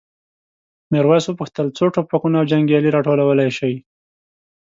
میرويس وپوښتل څو ټوپکونه او جنګیالي راټولولی شئ؟